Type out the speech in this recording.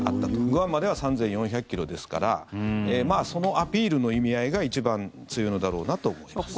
グアムまでは３４００ｋｍですからそのアピールの意味合いが一番強いのだろうなと思います。